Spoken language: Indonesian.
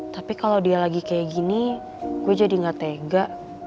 tapi kalau dia lagi kayak gini gue jadi gak tega